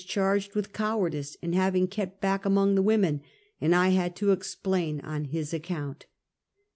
189 charged with cowardice, in having kept back among the women, and I had to explain on his account.